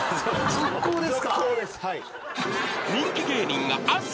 続行です。